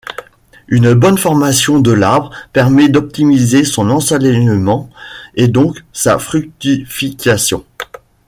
Une bonne formation de l'arbre permet d'optimiser son ensoleillement et donc sa fructification.